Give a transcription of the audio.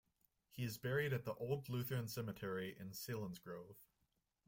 He is buried at the Old Lutheran Cemetery in Selinsgrove.